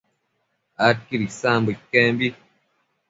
adquid isambo iquembi